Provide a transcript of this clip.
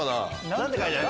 何て書いてある？